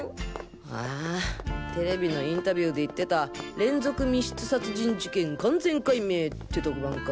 あＴＶのインタビューで言ってた『連続密室殺人事件完全解明！』って特番か？